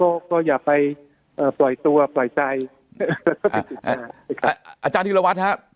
ก็ก็อย่าไปเอ่อปล่อยตัวปล่อยใจอาจารย์ธิรวัตรครับ